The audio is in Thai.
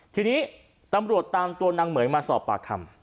ทีนี้ตำรวจตามตัวนางเหม๋ยมาสอบปากคำ